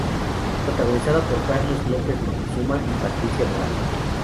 Protagonizada por Carlos López Moctezuma y Patricia Morán.